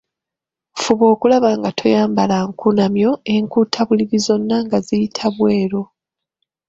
Fuba okulaba nga toyambala nkunamyo, enkuutabuliri zonna nga ziyita bweru.